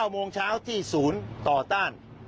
๙โมงเช้าที่ศูนย์ต่อต้าน